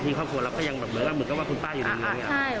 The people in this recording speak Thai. ใช่เพราะที่ปัจจิศด้านน้ำช่วงคว่ำจะสัดมาเข้าไปถ้ว่าห้องเครื่องเปลี่ยน